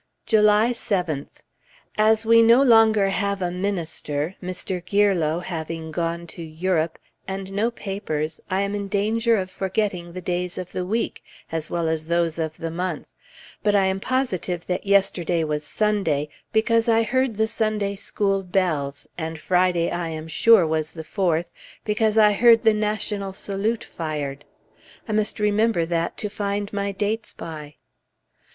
July 7th. As we have no longer a minister Mr. Gierlow having gone to Europe and no papers, I am in danger of forgetting the days of the week, as well as those of the month; but I am positive that yesterday was Sunday because I heard the Sunday School bells, and Friday I am sure was the Fourth, because I heard the national salute fired. I must remember that to find my dates by.